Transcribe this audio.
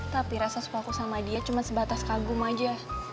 tapi rasa sukaku sama dia cuma sebatas kagum aja